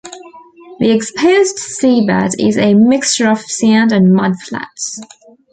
The exposed seabed is a mixture of sand and mud flats.